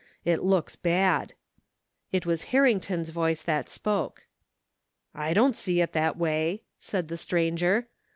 It looks bad." It was Harrington's voice that spoke. " I don't see it that way," said the stranger.